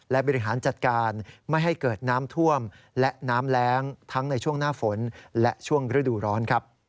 และบริหารจัดการไม่ให้เกิดน้ำท่วมและน้ำแรงทั้งในช่วงหน้าฝนและช่วงฤดูร้อน